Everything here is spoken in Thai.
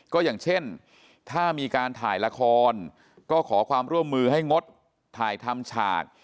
ก็อย่างเช่นถ้ามีการถ่ายละครก็ขอความร่วมมือให้งดถ่ายทำฉาก